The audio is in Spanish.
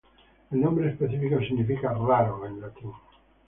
El nombre específico significa "raro" en latín.